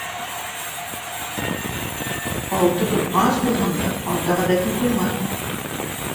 Алты көн ас булһаң да, ата ғәҙәтен ҡуйма.